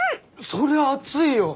そりゃ熱いよ。